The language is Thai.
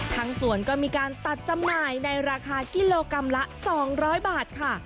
สวนก็มีการตัดจำหน่ายในราคากิโลกรัมละ๒๐๐บาทค่ะ